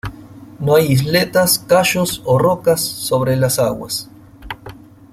No hay isletas, cayos o rocas sobre las aguas.